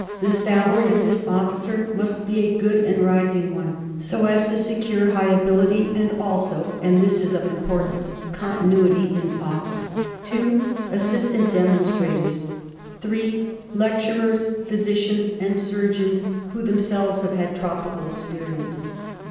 The salary of this officer must be a good and rising one, so as to secure high ability and, also (and this is of importance), continuity in office. 2. Assistant demonstrators. 3. Lecturers, physicians, and surgeons who themselves have had tropical experience.